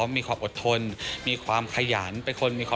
แต่มีนักแสดงคนนึงเดินเข้ามาหาผมบอกว่าขอบคุณพี่แมนมากเลย